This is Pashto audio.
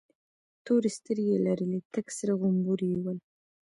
تورې سترگې يې لرلې، تک سره غمبوري یې ول.